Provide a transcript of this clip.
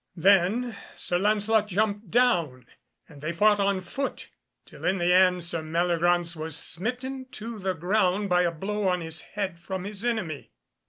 Then Sir Lancelot jumped down, and they fought on foot, till in the end Sir Meliagraunce was smitten to the ground by a blow on his head from his enemy.